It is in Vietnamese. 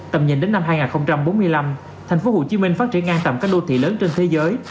tầm nhìn đến năm hai nghìn bốn mươi năm tp hcm phát triển ngang tầm các đô thị lớn trên thế giới